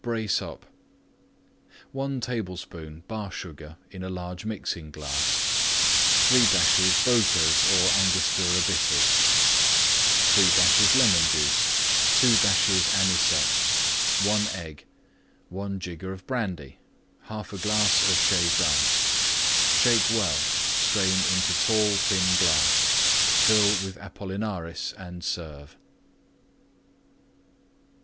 BRACE UP 1 tablespoonful Bar Sugar in large Mixing glass. 3 dashes Boker's or Angostura Bitters. 3 dashes Lemon Juice. 2 dashes Anisette. 1 Egg. 1 jigger Brandy 1/2 glass Shaved Ice. Shake well; strain into tall, thin glass; fill with Apollinaris and serve.